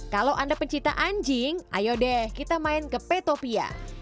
kalau anda pencinta anjing ayo deh kita main ke petopia